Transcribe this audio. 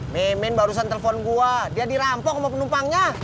memen barusan telepon gue dia dirampok sama penumpangnya